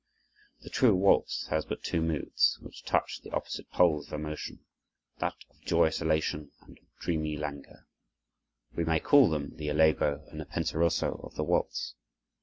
The true waltz has but two moods, which touch the opposite poles of emotion—that of joyous elation and of dreamy languor. We may call them the Allegro and the Penseroso of the waltz.